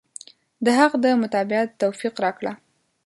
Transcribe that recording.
د حق د متابعت توفيق راکړه.